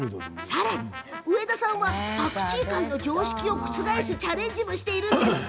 さらに、植田さんはパクチー界の常識を覆すチャレンジもしているんです。